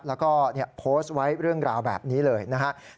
แล้วก็โพสต์ไว้เรื่องราวแบบนี้เลยนะครับ